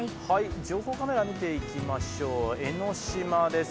情報カメラ、見ていきましょう、江の島です。